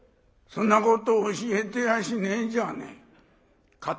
そんなこと教えてやしねえじゃねえか。